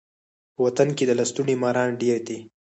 په وطن کي د لستوڼي ماران ډیر دي.